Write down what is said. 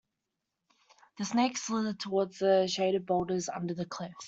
The snake slithered toward the shaded boulders under the cliff.